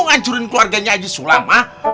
ngancurin keluarganya haji sulam ha